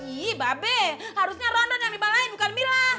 ih babe harusnya ronron yang dibalain bukan mila